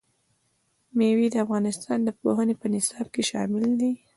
مېوې د افغانستان د پوهنې په نصاب کې شامل دي.